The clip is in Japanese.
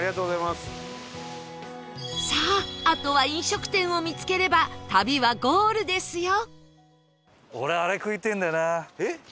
さああとは飲食店を見つければ旅はゴールですよ